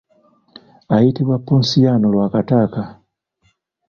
Ayitibwa Ponsiano Lwakataka.